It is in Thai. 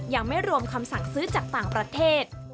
ยังไม่รวมคำสั่งซื้อจากต่างประเทศ